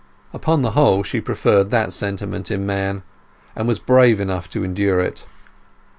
Upon the whole she preferred that sentiment in man and felt brave enough to endure it.